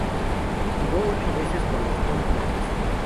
Jugó ocho veces con los All Blacks.